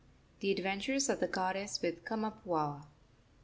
THE ADVENTURES OF THE GODDESS WITH KAMAPUAA.